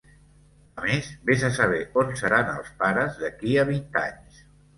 A més, vés a saber on seran els pares, d'aquí a vint anys!